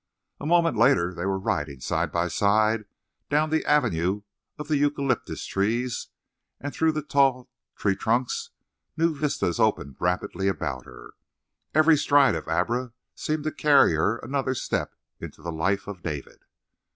A moment later they were riding side by side down the avenue of the eucalyptus trees, and through the tall treetrunks new vistas opened rapidly about her. Every stride of Abra seemed to carry her another step into the life of David.